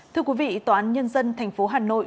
thưa quý vị tòa án nhân dân tp hà nội